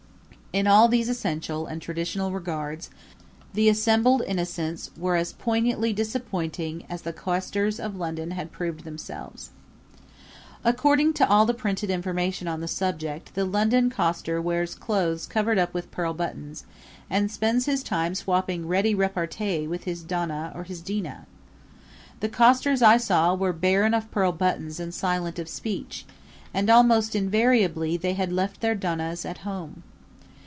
In all these essential and traditional regards the assembled Innocents were as poignantly disappointing as the costers of London had proved themselves. According to all the printed information on the subject the London coster wears clothes covered up with pearl buttons and spends his time swapping ready repartee with his Donah or his Dinah. The costers I saw were barren of pearl buttons and silent of speech; and almost invariably they had left their Donahs at home.